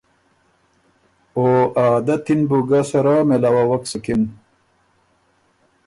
او ا عادتی ن بُو ګۀ سَرَه مېلاوَوَک سُکِن۔